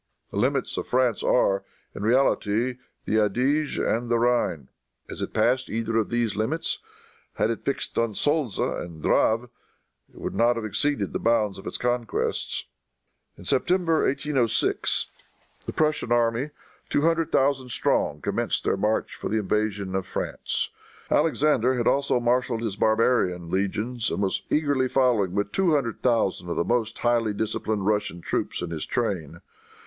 The limits of France are, in reality, the Adige and the Rhine. Has it passed either of these limits? Had it fixed on the Solza and the Drave, it would not have exceeded the bounds of its conquests." In September, 1806, the Prussian army, two hundred thousand strong, commenced their march for the invasion of France. Alexander had also marshaled his barbarian legions and was eagerly following, with two hundred thousand of the most highly disciplined Russian troops in his train.